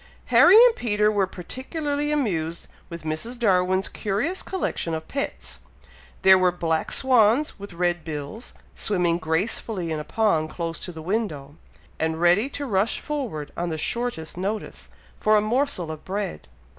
Harry and Peter were particularly amused with Mrs. Darwin's curious collection of pets. There were black swans with red bills, swimming gracefully in a pond close to the window, and ready to rush forward on the shortest notice, for a morsel of bread.